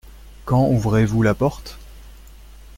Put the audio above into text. Quand ouvrez-vous la porte ?